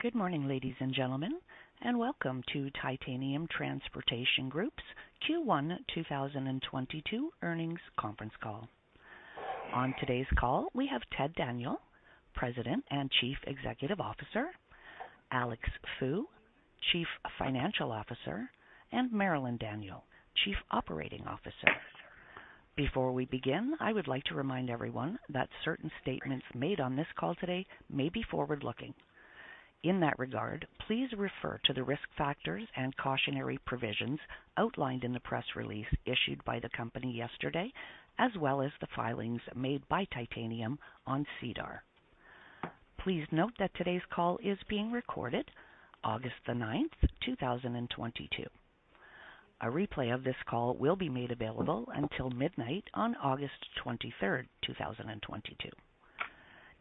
Good morning, ladies and gentlemen, and welcome to Titanium Transportation Group's Q2 2022 earnings conference call. On today's call, we have Ted Daniel, President and Chief Executive Officer, Alex Fu, Chief Financial Officer, and Marilyn Daniel, Chief Operating Officer. Before we begin, I would like to remind everyone that certain statements made on this call today may be forward-looking. In that regard, please refer to the risk factors and cautionary provisions outlined in the press release issued by the company yesterday, as well as the filings made by Titanium on SEDAR. Please note that today's call is being recorded August 9th, 2022. A replay of this call will be made available until midnight on August 23, 2022.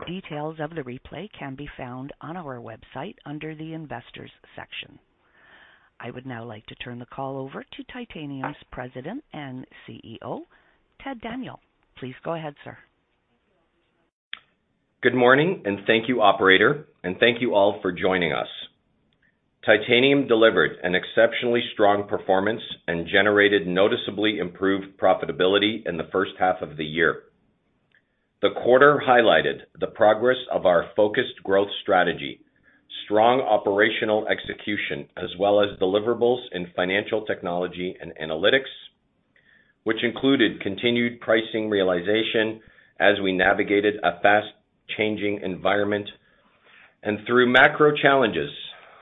Details of the replay can be found on our website under the Investors section. I would now like to turn the call over to Titanium's President and CEO, Ted Daniel. Please go ahead, sir. Good morning and thank you, operator, and thank you all for joining us. Titanium delivered an exceptionally strong performance and generated noticeably improved profitability in the first half of the year. The quarter highlighted the progress of our focused growth strategy, strong operational execution, as well as deliverables in financial technology and analytics, which included continued pricing realization as we navigated a fast changing environment and through macro challenges.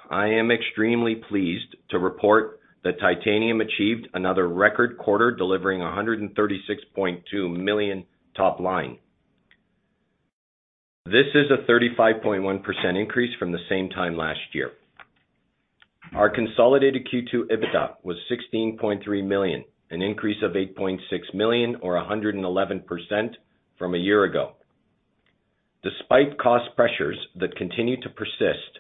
I am extremely pleased to report that Titanium achieved another record quarter, delivering 136.2 million top line. This is a 35.1% increase from the same time last year. Our consolidated Q2 EBITDA was 16.3 million, an increase of 8.6 million, or 111% from a year ago. Despite cost pressures that continue to persist,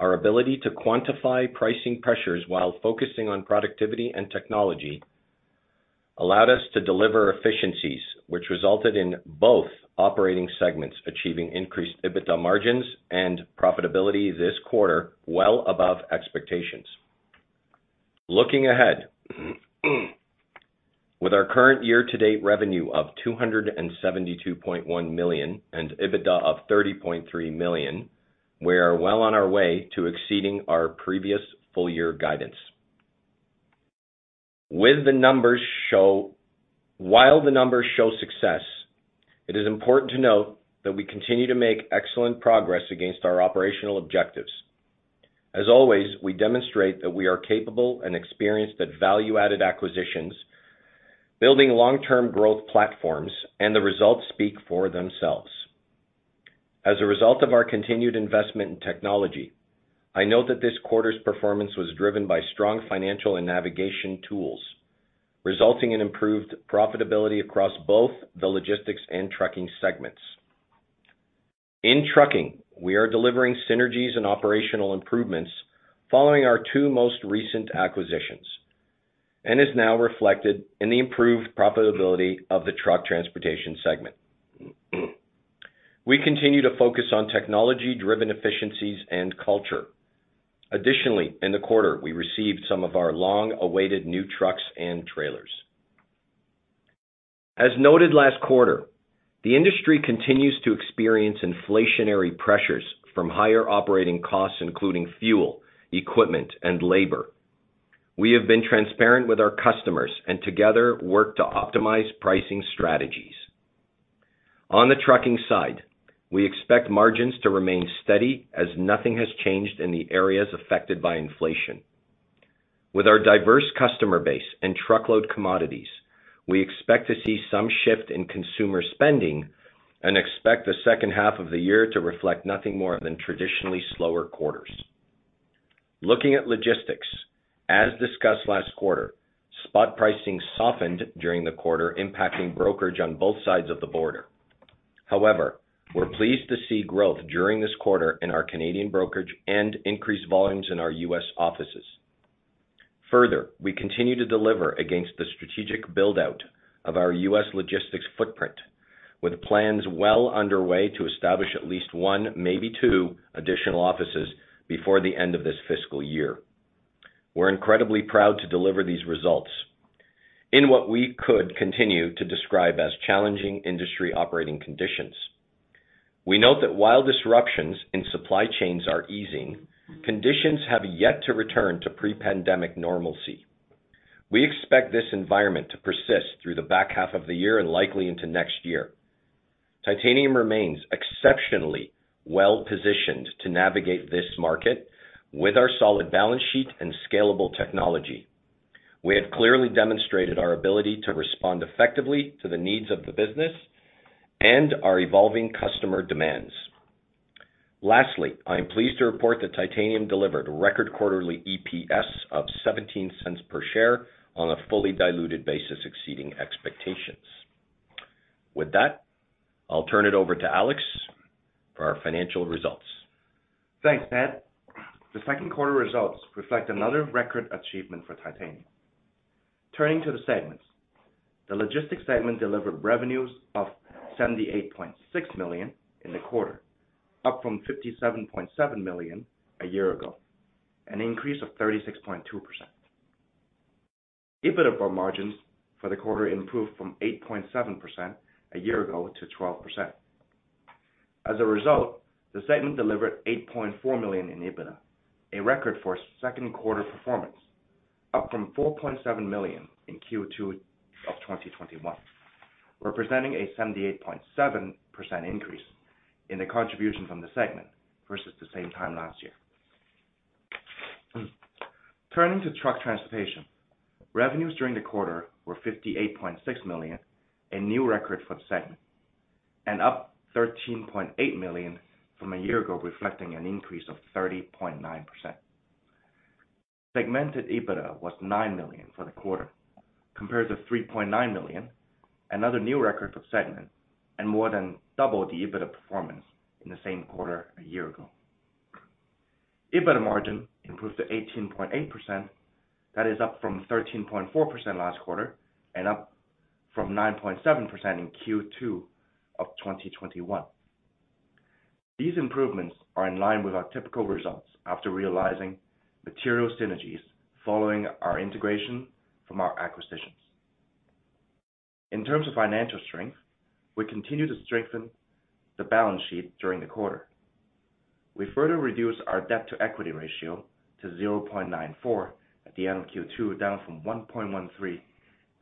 our ability to quantify pricing pressures while focusing on productivity and technology allowed us to deliver efficiencies which resulted in both operating segments achieving increased EBITDA margins and profitability this quarter well above expectations. Looking ahead, with our current year-to-date revenue of 272.1 million and EBITDA of 30.3 million, we are well on our way to exceeding our previous full year guidance. While the numbers show success, it is important to note that we continue to make excellent progress against our operational objectives. As always, we demonstrate that we are capable and experienced at value-added acquisitions, building long-term growth platforms, and the results speak for themselves. As a result of our continued investment in technology, I note that this quarter's performance was driven by strong financial and navigation tools, resulting in improved profitability across both the logistics and trucking segments. In trucking, we are delivering synergies and operational improvements following our two most recent acquisitions and is now reflected in the improved profitability of the truck transportation segment. We continue to focus on technology driven efficiencies and culture. Additionally, in the quarter we received some of our long-awaited new trucks and trailers. As noted last quarter, the industry continues to experience inflationary pressures from higher operating costs, including fuel, equipment and labor. We have been transparent with our customers and together work to optimize pricing strategies. On the trucking side, we expect margins to remain steady as nothing has changed in the areas affected by inflation. With our diverse customer base and truckload commodities, we expect to see some shift in consumer spending and expect the second half of the year to reflect nothing more than traditionally slower quarters. Looking at logistics, as discussed last quarter, spot pricing softened during the quarter, impacting brokerage on both sides of the border. However, we're pleased to see growth during this quarter in our Canadian brokerage and increased volumes in our U.S. offices. Further, we continue to deliver against the strategic buildout of our U.S. Logistics footprint, with plans well underway to establish at least one, maybe two additional offices before the end of this fiscal year. We're incredibly proud to deliver these results in what we could continue to describe as challenging industry operating conditions. We note that while disruptions in supply chains are easing, conditions have yet to return to pre-pandemic normalcy. We expect this environment to persist through the back half of the year and likely into next year. Titanium remains exceptionally well positioned to navigate this market with our solid balance sheet and scalable technology. We have clearly demonstrated our ability to respond effectively to the needs of the business and our evolving customer demands. Lastly, I am pleased to report that Titanium delivered record quarterly EPS of 0.17 per share on a fully diluted basis, exceeding expectations. With that, I'll turn it over to Alex for our financial results. Thanks, Ted. The second quarter results reflect another record achievement for Titanium. Turning to the segments. The logistics segment delivered revenues of 78.6 million in the quarter, up from 57.7 million a year ago, an increase of 36.2%. EBITDA margins for the quarter improved from 8.7% a year ago to 12%. As a result, the segment delivered 8.4 million in EBITDA, a record for second quarter performance, up from 4.7 million in Q2 of 2021, representing a 78.7% increase in the contribution from the segment versus the same time last year. Turning to truck transportation. Revenues during the quarter were 58.6 million, a new record for the segment, and up 13.8 million from a year ago, reflecting an increase of 30.9%. Segmented EBITDA was 9 million for the quarter compared to 3.9 million, another new record for the segment and more than double the EBITDA performance in the same quarter a year ago. EBITDA margin improved to 18.8%. That is up from 13.4% last quarter and up from 9.7% in Q2 of 2021. These improvements are in line with our typical results after realizing material synergies following our integration from our acquisitions. In terms of financial strength, we continue to strengthen the balance sheet during the quarter. We further reduced our debt-to-equity ratio to 0.94 at the end of Q2, down from 1.13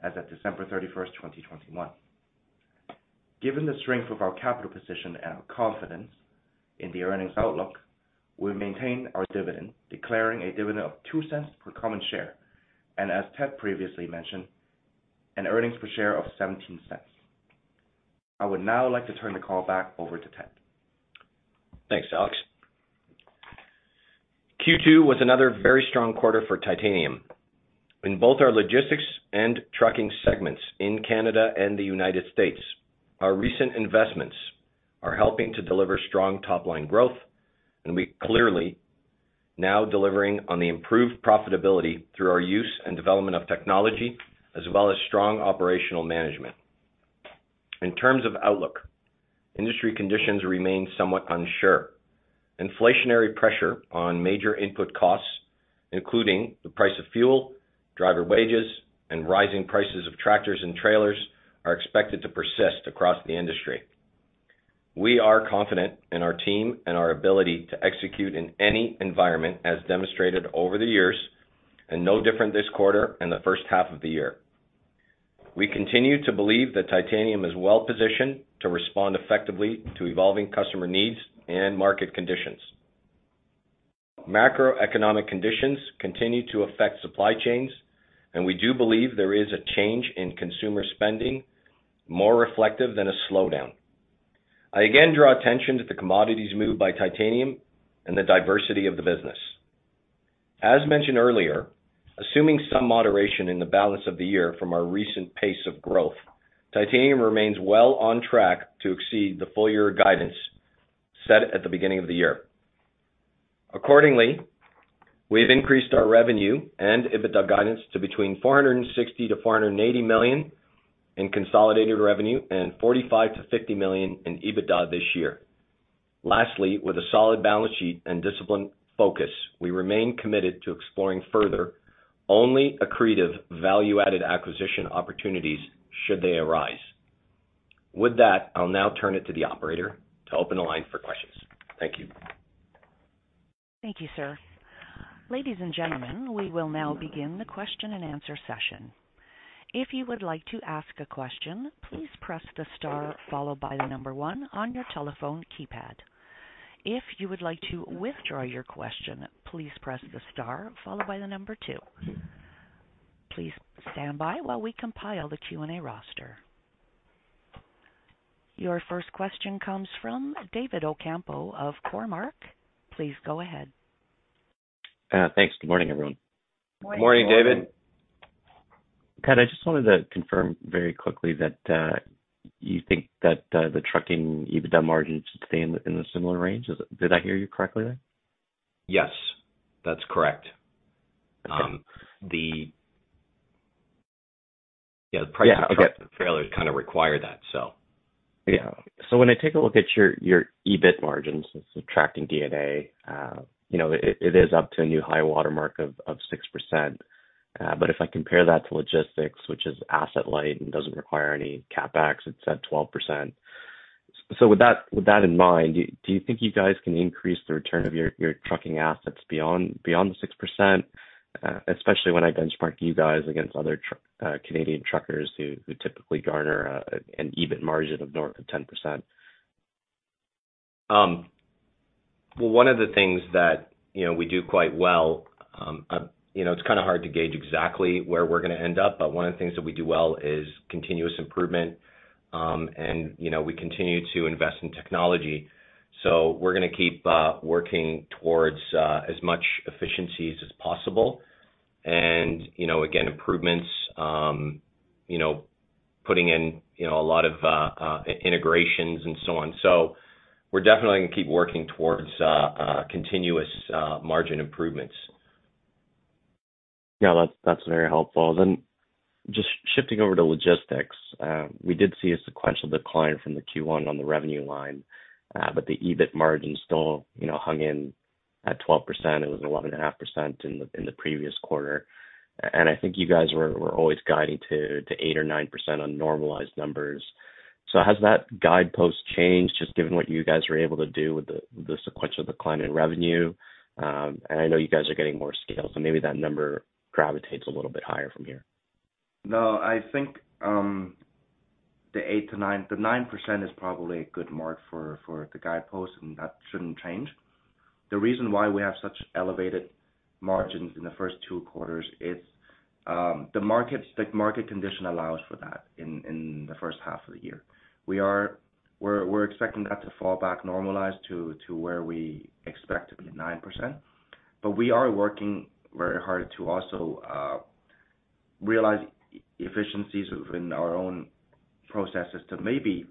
as of December 31, 2021. Given the strength of our capital position and our confidence in the earnings outlook, we maintain our dividend, declaring a dividend of 0.02 per common share. As Ted previously mentioned, an earnings per share of 0.17. I would now like to turn the call back over to Ted. Thanks, Alex. Q2 was another very strong quarter for Titanium. In both our logistics and trucking segments in Canada and the United States, our recent investments are helping to deliver strong top-line growth, and we clearly now delivering on the improved profitability through our use and development of technology as well as strong operational management. In terms of outlook, industry conditions remain somewhat uncertain. Inflationary pressure on major input costs, including the price of fuel, driver wages, and rising prices of tractors and trailers are expected to persist across the industry. We are confident in our team and our ability to execute in any environment as demonstrated over the years and no different this quarter and the first half of the year. We continue to believe that Titanium is well positioned to respond effectively to evolving customer needs and market conditions. Macroeconomic conditions continue to affect supply chains, and we do believe there is a change in consumer spending more reflective than a slowdown. I again draw attention to the commodities moved by Titanium and the diversity of the business. As mentioned earlier, assuming some moderation in the balance of the year from our recent pace of growth, Titanium remains well on track to exceed the full-year guidance set at the beginning of the year. Accordingly, we have increased our revenue and EBITDA guidance to between 460 million-480 million in consolidated revenue and 45 million-50 million in EBITDA this year. Lastly, with a solid balance sheet and disciplined focus, we remain committed to exploring further only accretive value-added acquisition opportunities should they arise. With that, I'll now turn it to the operator to open the line for questions. Thank you. Thank you, sir. Ladies and gentlemen, we will now begin the question-and-answer session. If you would like to ask a question, please press the star followed by the number one on your telephone keypad. If you would like to withdraw your question, please press the star followed by the number two. Please stand by while we compile the Q&A roster. Your first question comes from David Ocampo of Cormark. Please go ahead. Thanks. Good morning, everyone. Good morning, David. Good morning. Ted, I just wanted to confirm very quickly that you think that the trucking EBITDA margins should stay in a similar range. Did I hear you correctly there? Yes, that's correct. Okay. The price of trailers kind of require that so. Yeah. When I take a look at your EBIT margins and subtracting D&A, you know, it is up to a new high watermark of 6%. If I compare that to logistics, which is asset light and doesn't require any CapEx, it's at 12%. With that in mind, do you think you guys can increase the return of your trucking assets beyond the 6%? Especially when I benchmark you guys against other Canadian truckers who typically garner an EBIT margin of north of 10%. Well, one of the things that, you know, we do quite well, you know, it's kinda hard to gauge exactly where we're gonna end up. One of the things that we do well is continuous improvement, and, you know, we continue to invest in technology. We're gonna keep working towards as much efficiencies as possible. You know, again, improvements, you know, putting in, you know, a lot of integrations and so on. We're definitely gonna keep working towards continuous margin improvements. Yeah, that's very helpful. Just shifting over to logistics. We did see a sequential decline from the Q1 on the revenue line. The EBIT margin still, you know, hung in at 12%. It was 11.5% in the previous quarter. I think you guys were always guiding to 8% or 9% on normalized numbers. Has that guidepost changed just given what you guys were able to do with the sequential decline in revenue? I know you guys are getting more scale, so maybe that number gravitates a little bit higher from here. No, I think the 9% is probably a good mark for the guidepost, and that shouldn't change. The reason why we have such elevated margins in the first two quarters is the market condition allows for that in the first half of the year. We're expecting that to fall back normalized to where we expect to be 9%. We are working very hard to also realize efficiencies within our own processes to maybe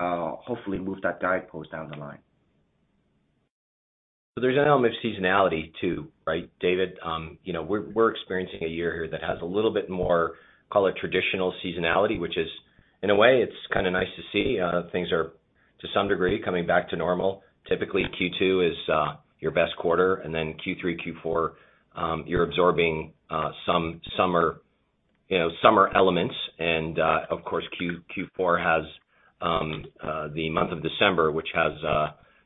hopefully move that guidepost down the line. There's an element of seasonality too, right, David? You know, we're experiencing a year here that has a little bit more, call it traditional seasonality, which is, in a way, it's kinda nice to see, things are to some degree coming back to normal. Typically, Q2 is your best quarter, and then Q3, Q4, you're absorbing some summer, you know, summer elements. Of course, Q4 has the month of December, which has,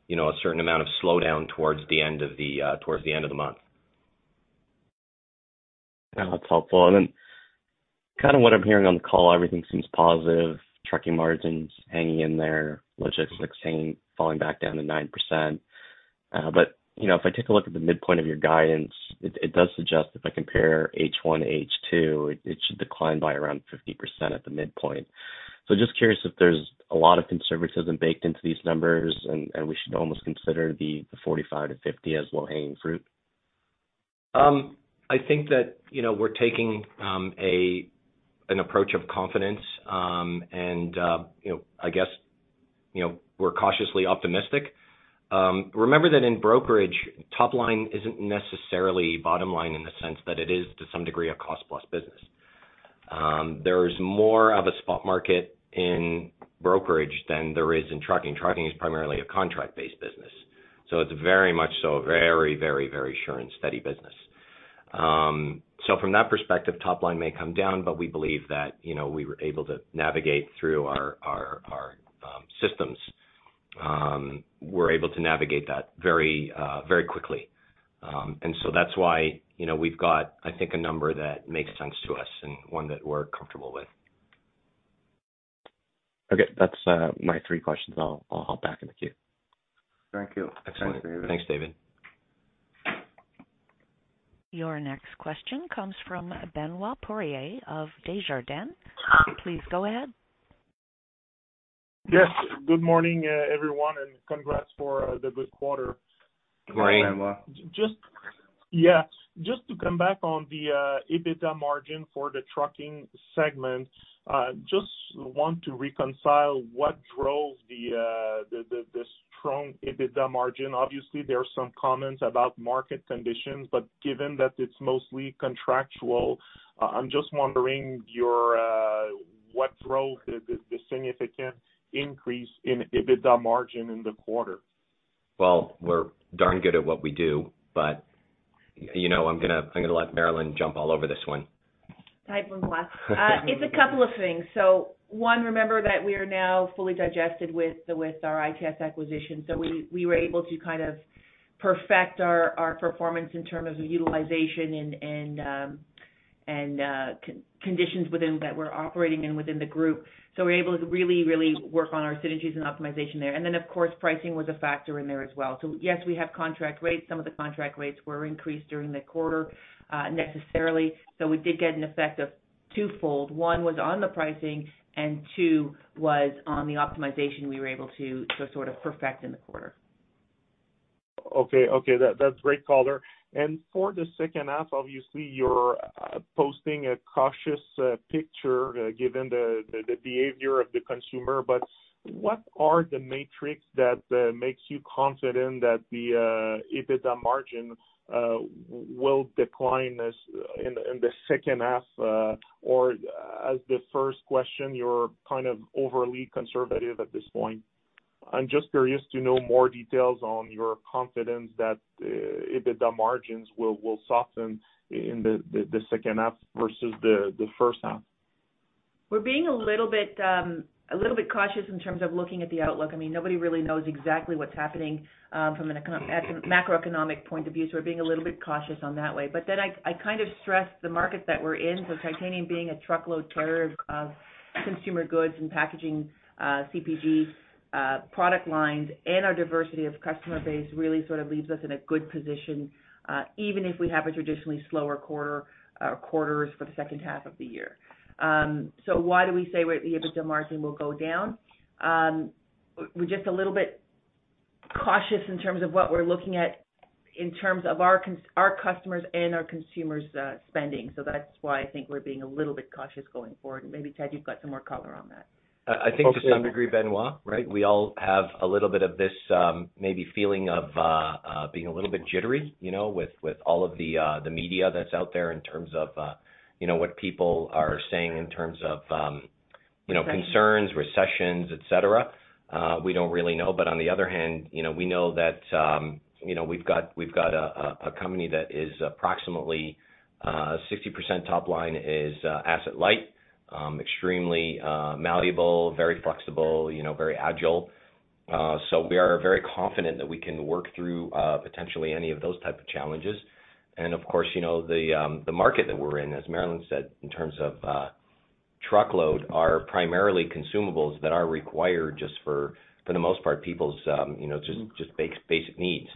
you know, a certain amount of slowdown towards the end of the month. That's helpful. Kind of what I'm hearing on the call, everything seems positive. Trucking margins hanging in there. Logistics saying falling back down to 9%. You know, if I take a look at the midpoint of your guidance, it does suggest if I compare H1 to H2, it should decline by around 50% at the midpoint. Just curious if there's a lot of conservatism baked into these numbers and we should almost consider the 45-50 as low-hanging fruit. I think that, you know, we're taking an approach of confidence. You know, I guess, you know, we're cautiously optimistic. Remember that in brokerage, top line isn't necessarily bottom line in the sense that it is to some degree a cost plus business. There is more of a spot market in brokerage than there is in trucking. Trucking is primarily a contract-based business, so it's very much so a very sure and steady business. From that perspective, top line may come down, but we believe that, you know, we were able to navigate through our systems. We're able to navigate that very quickly. That's why, you know, we've got, I think, a number that makes sense to us and one that we're comfortable with. Okay. That's my three questions. I'll hop back in the queue. Thank you. Excellent. Thanks, David. Thanks. Your next question comes from Benoit Poirier of Desjardins. Please go ahead. Yes, good morning, everyone, and congrats for the good quarter. Good morning. Good morning. Yeah, just to come back on the EBITDA margin for the trucking segment. Just want to reconcile what drove the strong EBITDA margin. Obviously, there are some comments about market conditions, but given that it's mostly contractual, I'm just wondering what drove the significant increase in EBITDA margin in the quarter? Well, we're darn good at what we do, but you know, I'm gonna let Marilyn jump all over this one. Hi, Benoit. It's a couple of things. One, remember that we are now fully digested with our ITS acquisition. We were able to kind of perfect our performance in terms of utilization and conditions within that we're operating in the group. We're able to really work on our synergies and optimization there. Then of course, pricing was a factor in there as well. Yes, we have contract rates. Some of the contract rates were increased during the quarter, necessarily. We did get an effect of twofold. One was on the pricing, and two was on the optimization we were able to to sort of perfect in the quarter. Okay. That's great color. For the second half, obviously you're posting a cautious picture given the behavior of the consumer. What are the metrics that makes you confident that the EBITDA margin will decline in the second half? Or as the first question, you're kind of overly conservative at this point. I'm just curious to know more details on your confidence that EBITDA margins will soften in the second half versus the first half. We're being a little bit cautious in terms of looking at the outlook. I mean, nobody really knows exactly what's happening from a macroeconomics point of view. We're being a little bit cautious on that way. I kind of stress the market that we're in. Titanium being a truckload carrier of consumer goods and packaging, CPG, product lines and our diversity of customer base really sort of leaves us in a good position, even if we have a traditionally slower quarters for the second half of the year. Why do we say where the EBITDA margin will go down? We're just a little bit Cautious in terms of what we're looking at in terms of our customers and our consumers spending. That's why I think we're being a little bit cautious going forward. Maybe, Ted, you've got some more color on that. I think to some degree, Benoit, right, we all have a little bit of this, maybe feeling of being a little bit jittery, you know, with all of the media that's out there in terms of, you know, what people are saying in terms of, you know. Recession Concerns, recessions, etc. We don't really know. On the other hand, you know, we know that, you know, we've got a company that is approximately 60% top line is asset light, extremely malleable, very flexible, you know, very agile. We are very confident that we can work through potentially any of those type of challenges. Of course, you know, the market that we're in, as Marilyn said, in terms of truckload, are primarily consumables that are required just for the most part, people's you know, just basic needs.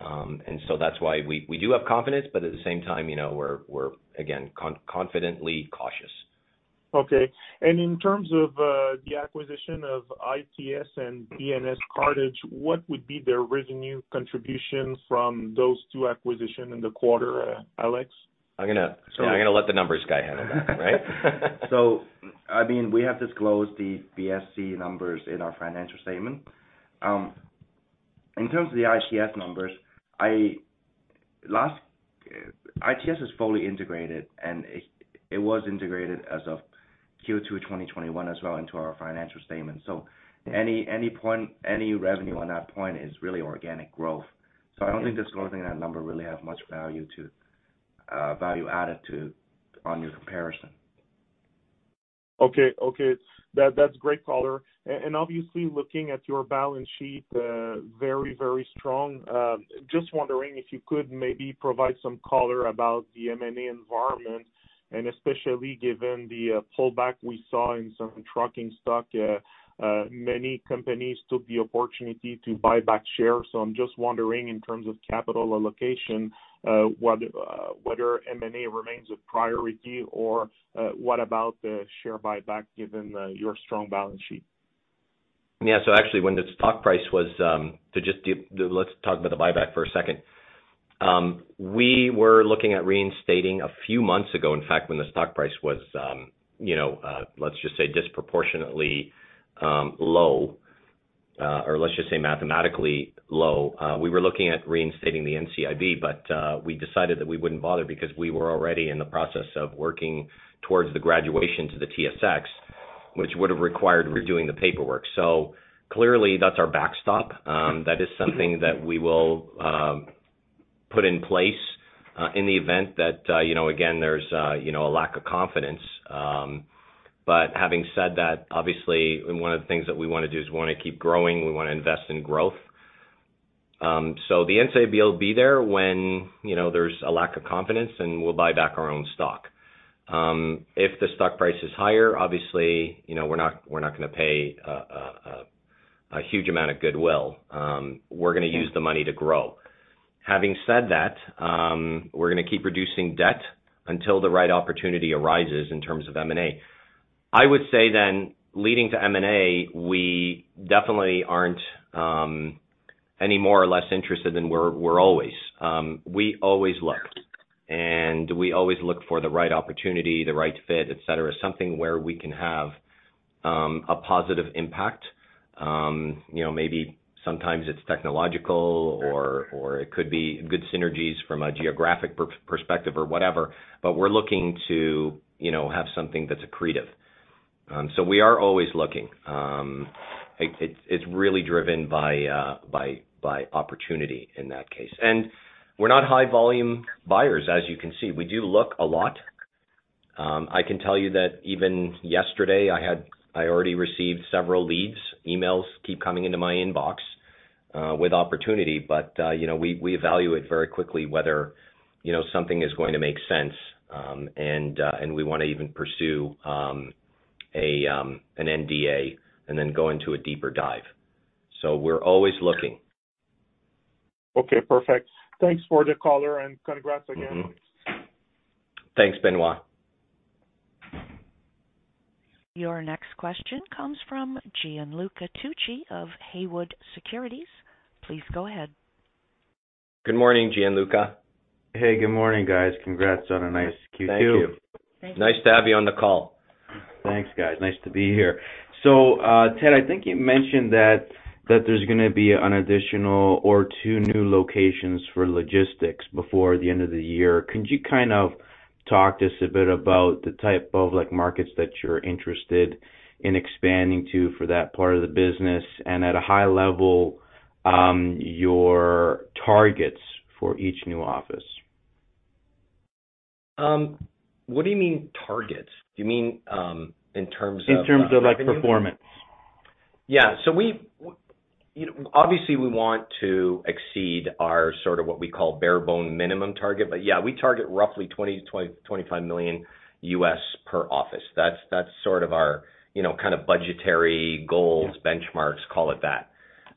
That's why we do have confidence, but at the same time, you know, we're again confidently cautious. Okay. In terms of the acquisition of ITS and B&S Cartage, what would be their revenue contribution from those two acquisition in the quarter, Alex? I'm gonna- Sure. I'm gonna let the numbers guy handle that, right? I mean, we have disclosed the BSC numbers in our financial statement. In terms of the ITS numbers, ITS is fully integrated, and it was integrated as of Q2-2021 as well into our financial statements. Any revenue at that point is really organic growth. I don't think disclosing that number really has much value added to your comparison. Okay. That's great color. Obviously looking at your balance sheet, very strong. Just wondering if you could maybe provide some color about the M&A environment, and especially given the pullback we saw in some trucking stock, many companies took the opportunity to buy back shares. I'm just wondering, in terms of capital allocation, whether M&A remains a priority or what about the share buyback given your strong balance sheet? Yeah. Actually, when the stock price was, let's talk about the buyback for a second. We were looking at reinstating a few months ago, in fact, when the stock price was, you know, let's just say disproportionately low, or let's just say mathematically low, we were looking at reinstating the NCIB, but we decided that we wouldn't bother because we were already in the process of working towards the graduation to the TSX, which would have required redoing the paperwork. Clearly, that's our backstop. That is something that we will put in place in the event that, you know, again, there's, you know, a lack of confidence. Having said that, obviously one of the things that we wanna do is we wanna keep growing, we wanna invest in growth. The NCIB will be there when, you know, there's a lack of confidence, and we'll buy back our own stock. If the stock price is higher, obviously, you know, we're not gonna pay a huge amount of goodwill. We're gonna use the money to grow. Having said that, we're gonna keep reducing debt until the right opportunity arises in terms of M&A. I would say then, leading to M&A, we definitely aren't any more or less interested than we're always. We always look for the right opportunity, the right fit, et cetera. Something where we can have a positive impact. You know, maybe sometimes it's technological or it could be good synergies from a geographic perspective or whatever, but we're looking to, you know, have something that's accretive. We are always looking. It's really driven by opportunity in that case. We're not high volume buyers as you can see. We do look a lot. I can tell you that even yesterday I already received several leads. Emails keep coming into my inbox with opportunity, but you know, we evaluate very quickly whether you know, something is going to make sense, and we wanna even pursue an NDA and then go into a deeper dive. We're always looking. Okay, perfect. Thanks for the color and congrats again. Thanks, Benoit. Your next question comes from Gianluca Tucci of Haywood Securities. Please go ahead. Good morning, Gianluca. Hey, good morning, guys. Congrats on a nice Q2. Thank you. Thank you. Nice to have you on the call. Thanks, guys. Nice to be here. Ted, I think you mentioned that there's gonna be one or two new locations for logistics before the end of the year. Could you kind of talk to us a bit about the type of like markets that you're interested in expanding to for that part of the business and at a high level, your targets for each new office? What do you mean targets? Do you mean, in terms of, revenue? In terms of like performance. You know, obviously, we want to exceed our sort of what we call bare-bones minimum target. Yeah, we target roughly $20-$25 million per office. That's sort of our, you know, kind of budgetary goals. Yeah benchmarks, call it that.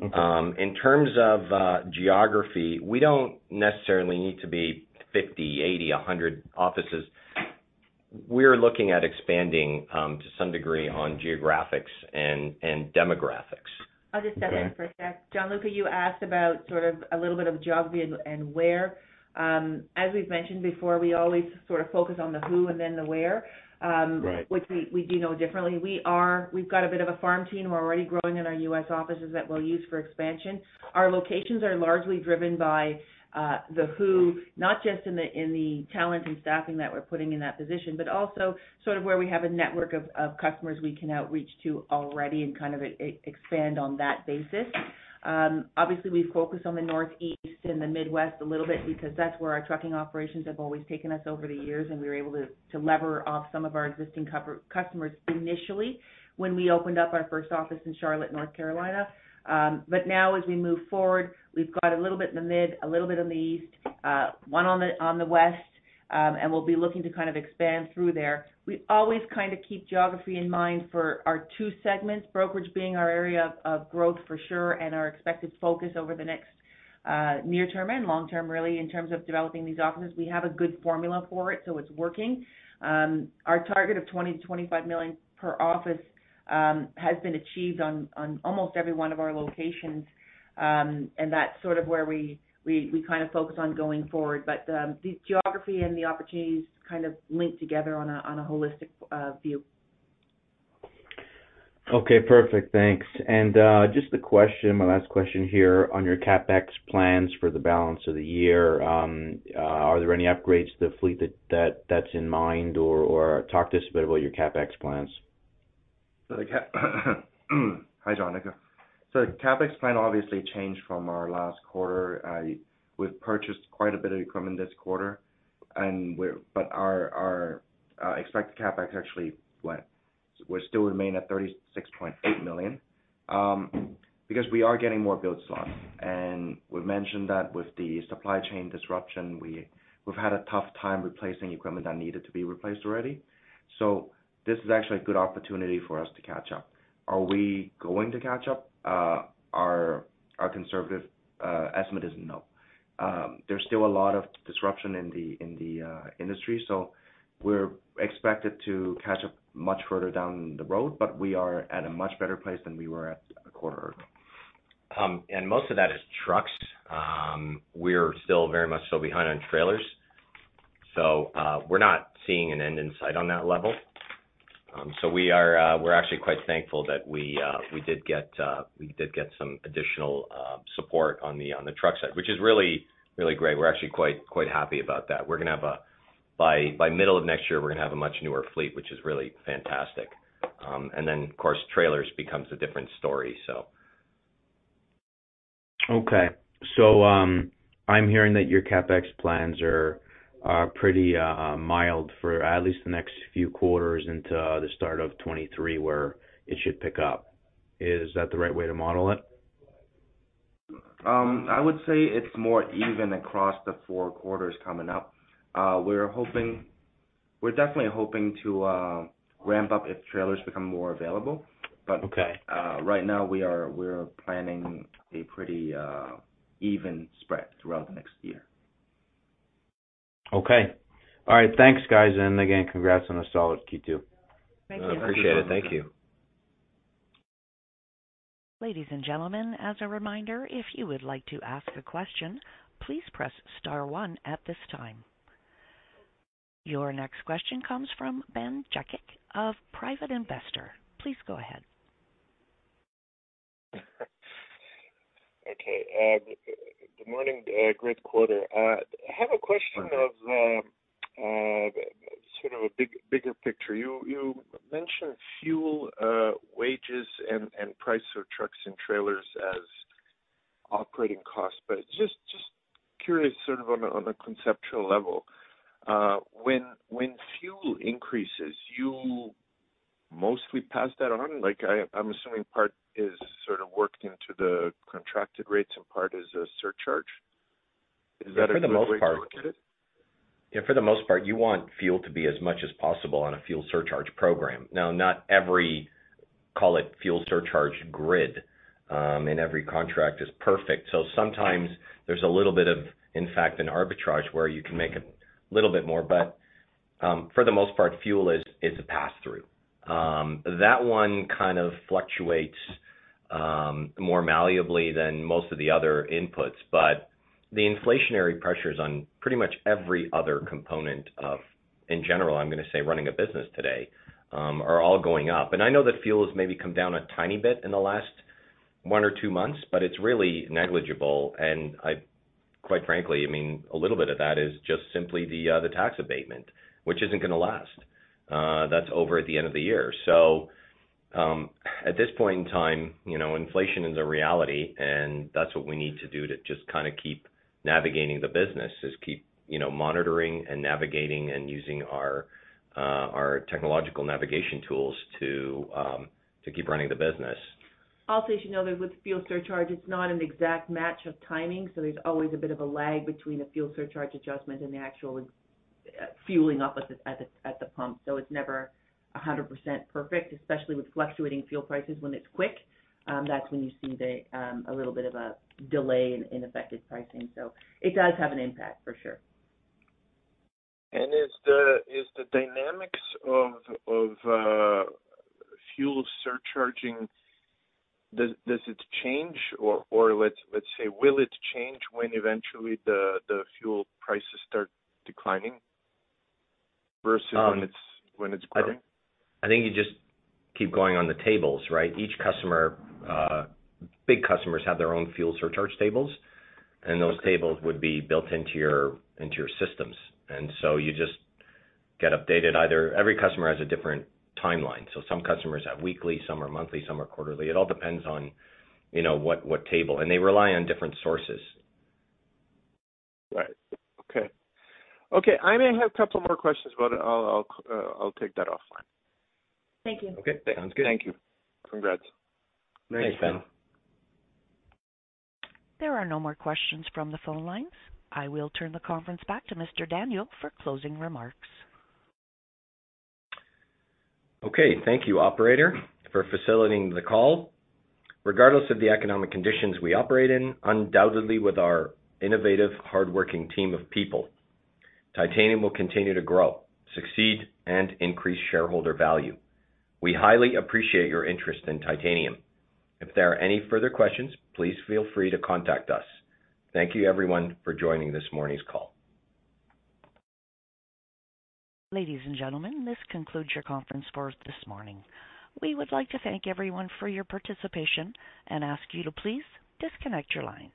Okay. In terms of geography, we don't necessarily need to be 50, 80, 100 offices. We're looking at expanding to some degree on geographics and demographics. I'll just add in for a sec. Gianluca, you asked about sort of a little bit of geography and where. As we've mentioned before, we always sort of focus on the who and then the where. Right. which we do know differently. We've got a bit of a farm team. We're already growing in our U.S. offices that we'll use for expansion. Our locations are largely driven by the who, not just in the talent and staffing that we're putting in that position, but also sort of where we have a network of customers we can reach out to already and kind of expand on that basis. Obviously, we've focused on the Northeast and the Midwest a little bit because that's where our trucking operations have always taken us over the years, and we were able to leverage some of our existing customers initially when we opened up our first office in Charlotte, North Carolina. Now as we move forward, we've got a little bit in the mid, a little bit in the east, one on the west, and we'll be looking to kind of expand through there. We always kind of keep geography in mind for our two segments, brokerage being our area of growth for sure and our expected focus over the next near term and long term really in terms of developing these offices. We have a good formula for it, so it's working. Our target of $20 million-$25 million per office has been achieved on almost every one of our locations. And that's sort of where we kind of focus on going forward. The geography and the opportunities kind of link together on a holistic view. Okay, perfect. Thanks. Just a question, my last question here on your CapEx plans for the balance of the year. Are there any upgrades to the fleet that's in mind or talk to us a bit about your CapEx plans. Hi, Gianluca. CapEx plan obviously changed from our last quarter. We've purchased quite a bit of equipment this quarter, but our expected CapEx actually went. We still remain at 36.8 million, because we are getting more builds on. We've mentioned that with the supply chain disruption, we've had a tough time replacing equipment that needed to be replaced already. This is actually a good opportunity for us to catch up. Are we going to catch up? Our conservative estimate is no. There's still a lot of disruption in the industry, so we're expected to catch up much further down the road, but we are at a much better place than we were at a quarter earlier. Most of that is trucks. We're still very much behind on trailers. We're not seeing an end in sight on that level. We're actually quite thankful that we did get some additional support on the truck side, which is really great. We're actually quite happy about that. By middle of next year, we're gonna have a much newer fleet, which is really fantastic. Then of course, trailers becomes a different story. I'm hearing that your CapEx plans are pretty mild for at least the next few quarters into the start of 2023 where it should pick up. Is that the right way to model it? I would say it's more even across the four quarters coming up. We're definitely hoping to ramp up if trailers become more available. Okay. Right now we are planning a pretty even spread throughout the next year. Okay. All right. Thanks, guys. Again, congrats on a solid Q2. Thank you. Appreciate it. Thank you. Ladies and gentlemen, as a reminder, if you would like to ask a question, please press star one at this time. Your next question comes from Ben Jekic a private investor. Please go ahead. Okay. Good morning. Great quarter. I have a question of sort of a big picture. You mentioned fuel, wages and price of trucks and trailers as operating costs. Just curious, sort of on a conceptual level, when fuel increases, you mostly pass that on. Like, I'm assuming part is sort of worked into the contracted rates and part is a surcharge. Is that a good way to look at it? Yeah, for the most part, you want fuel to be as much as possible on a fuel surcharge program. Now, not every, call it fuel surcharge grid, in every contract is perfect. Sometimes there's a little bit of, in fact, an arbitrage where you can make a little bit more, but, for the most part, fuel is a pass-through. That one kind of fluctuates, more malleably than most of the other inputs. The inflationary pressures on pretty much every other component of, in general, I'm gonna say running a business today, are all going up. I know that fuel has maybe come down a tiny bit in the last one or two months, but it's really negligible. Quite frankly, I mean, a little bit of that is just simply the tax abatement, which isn't gonna last. That's over at the end of the year. At this point in time, you know, inflation is a reality, and that's what we need to do to just kinda keep navigating the business, is keep, you know, monitoring and navigating and using our technological navigation tools to keep running the business. As you know, with fuel surcharge, it's not an exact match of timing, so there's always a bit of a lag between the fuel surcharge adjustment and the actual fueling up at the pump. It's never 100% perfect, especially with fluctuating fuel prices when it's quick, that's when you see the a little bit of a delay in affected pricing. It does have an impact for sure. Is the dynamics of fuel surcharging, does it change? Or let's say, will it change when eventually the fuel prices start declining versus when it's growing? I think you just keep going on the tables, right? Each customer, big customers have their own fuel surcharge tables, and those tables would be built into your systems. You just get updated. Every customer has a different timeline. Some customers have weekly, some are monthly, some are quarterly. It all depends on, you know, what table, and they rely on different sources. Right. Okay, I may have a couple more questions, but I'll take that offline. Thank you. Okay. Sounds good. Thank you. Congrats. Thanks, Ben. There are no more questions from the phone lines. I will turn the conference back to Mr. Daniel for closing remarks. Okay. Thank you, operator, for facilitating the call. Regardless of the economic conditions we operate in, undoubtedly with our innovative, hardworking team of people, Titanium will continue to grow, succeed, and increase shareholder value. We highly appreciate your interest in Titanium. If there are any further questions, please feel free to contact us. Thank you everyone for joining this morning's call. Ladies and gentlemen, this concludes your conference for this morning. We would like to thank everyone for your participation and ask you to please disconnect your lines.